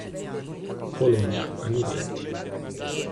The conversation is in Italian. Bologna, anni venti.